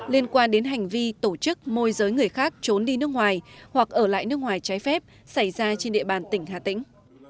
liên quan đến hành vi tổ chức môi giới người khác trốn đi nước ngoài hoặc ở lại nước ngoài trái phép xảy ra trên địa bàn tỉnh hà tĩnh